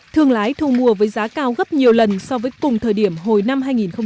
thương lái thu mua với giá cao gấp nhiều lần so với cùng thời điểm hồi năm hai nghìn một mươi bảy